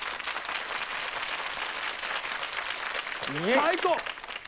最高！